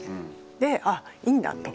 で「あいいんだ」と。